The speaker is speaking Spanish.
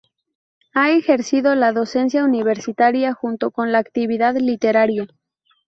Ha ejercido la docencia universitaria junto con la actividad literaria.